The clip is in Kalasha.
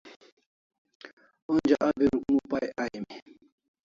Onja abi Rukmu pai aimi